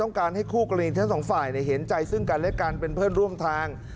การให้คู่กรณีทั้งสองฝ่ายเห็นใจซึ่งกันและกันเป็นเพื่อนร่วมทาง